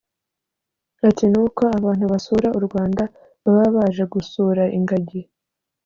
Ati “N’uko abantu basura u Rwanda baba baje gusura ingagi